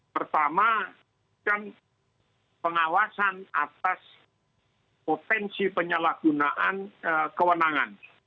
pertama kan pengawasan atas potensi penyalahgunaan kewenangan